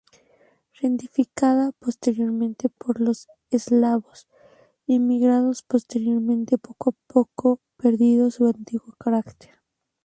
Reedificada posteriormente por los eslavos emigrados posteriormente, poco a poco perdió su antiguo carácter.